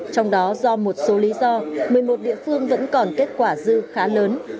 trong đó do một số lý do một mươi một địa phương vẫn còn kết quả dư khá lớn